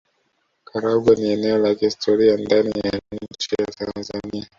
Karagwe ni eneo la kihistoria ndani ya nchi ya Tanzania